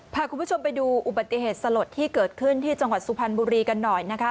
พาคุณผู้ชมไปดูอุบัติเหตุสลดที่เกิดขึ้นที่จังหวัดสุพรรณบุรีกันหน่อยนะคะ